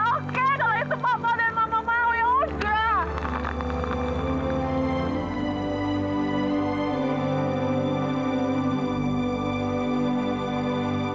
oke kalo itu mama dan mama mau ya udah